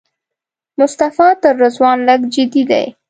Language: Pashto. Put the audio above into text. مصطفی تر رضوان لږ جدي دی.